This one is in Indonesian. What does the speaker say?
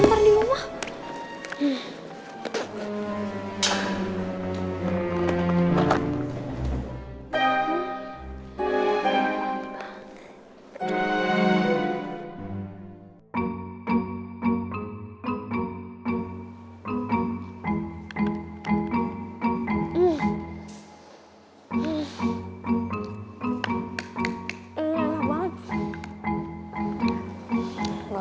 belum makan nih